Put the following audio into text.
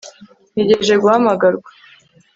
Ntegereje guhamagarwa